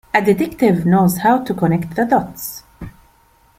A detective knows how to connect the dots.